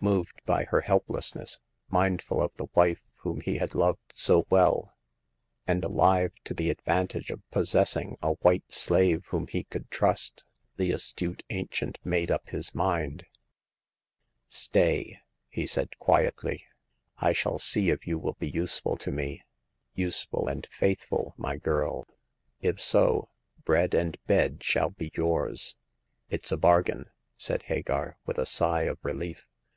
Moved by her helplessness, mindful of the wife whom he had loved so well, and alive to the advantage of possessing a white slave whom he could trust, the astute ancient made up his mind. " Stay," said he, quietly. " I shall see if you will be useful to me — useful and faithful, my girl. If so, bread and bed shall be yours." It's a bargain," said Hagar, with a sigh of re lief.